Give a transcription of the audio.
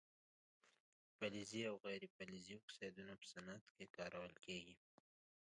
فلزي او غیر فلزي اکسایدونه په صنعت کې کارول کیږي.